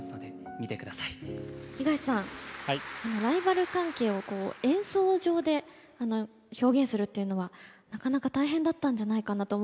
東さんライバル関係をこう演奏上で表現するっていうのはなかなか大変だったんじゃないかなと思うんですけどもどうでしたか？